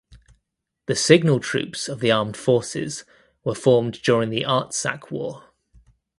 The Signal Troops of the Armed Forces were formed during the Artsakh War.